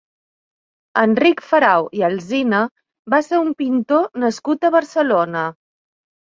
Enric Ferau i Alsina va ser un pintor nascut a Barcelona.